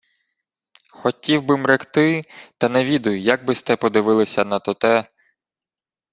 — Хотів би-м ректи, та не відаю, як би-сте подивилися на тоте...